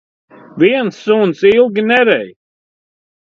Viens suns ilgi nerej.